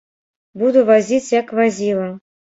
Буду вазіць як вазіла.